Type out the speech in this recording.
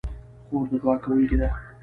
خور د دعا کوونکې ده.